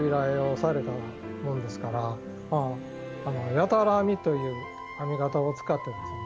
やたら編みという編み方を使ってですね。